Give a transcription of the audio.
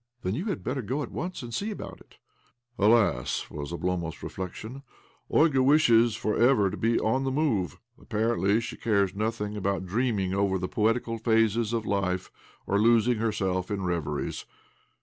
' Then you had better go at once and see about it." ' Alas!" was Oblomov's reflection. " Olga wishes for ever to be on the move. Apparently she cares nothing about dreaming over the poetical phases of life, or losing herself in reveries.